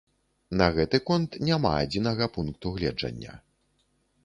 На гэты конт няма адзінага пункту гледжання.